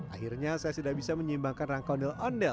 akhirnya saya sudah bisa menyimbangkan rangka ondel ondel